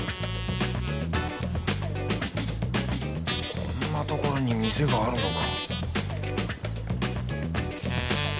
こんなところに店があるのか？